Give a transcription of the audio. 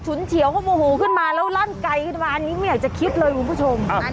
เฉียวก็โมโหขึ้นมาแล้วลั่นไกลขึ้นมาอันนี้ไม่อยากจะคิดเลยคุณผู้ชม